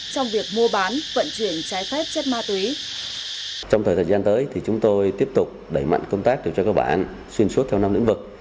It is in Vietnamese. trong thời thời gian tới thì chúng tôi tiếp tục đẩy mạnh công tác điều tra các bạn xuyên suốt theo năm lĩnh vực